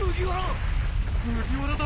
麦わらだ！